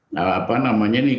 nah apa namanya nih